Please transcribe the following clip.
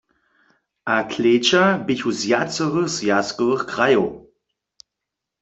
Atleća běchu z wjacorych zwjazkowych krajow.